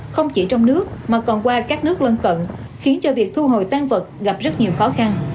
không chỉ trong nước mà còn qua các nước lân cận khiến cho việc thu hồi tan vật gặp rất nhiều khó khăn